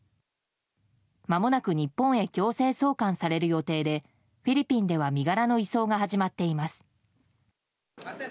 まもなく日本へ強制送還される予定でフィリピンでは身柄の移送が始まっています。